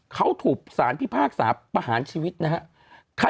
เขาถูกสารพิพากษาประหารชีวิตนะครับ